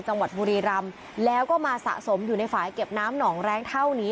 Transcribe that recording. จังหวัดบุรีรำแล้วก็มาสะสมอยู่ในฝ่ายเก็บน้ำหนองแรงเท่านี้